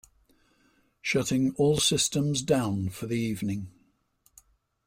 Shutting all systems down for the evening.